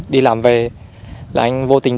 đi làm về là anh vô tình